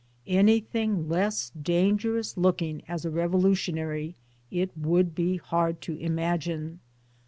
Anything less dangerous looking as a revolutionary it would be hard to imagine.